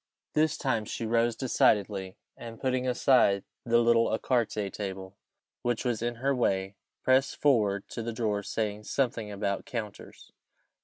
This time she rose decidedly, and, putting aside the little ecarté table which was in her way, pressed forward to the drawer, saying something about "counters."